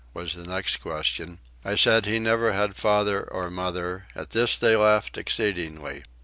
was the next question. I said he never had father or mother; at this they laughed exceedingly.